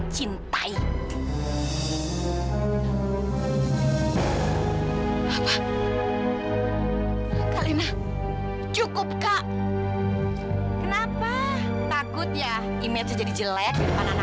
sampai jumpa di video selanjutnya